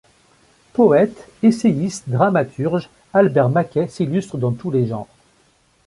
Poète, essayiste, dramaturge, Albert Maquet s'illustre dans tous les genres.